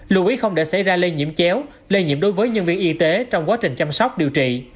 lưu ý không để xảy ra lây nhiễm chéo lây nhiễm đối với nhân viên y tế trong quá trình chăm sóc điều trị